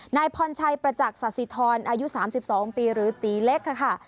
นายพรชัยประจักษ์สาธิธรอายุ๓๒ปีหรือตีเล็กค่ะ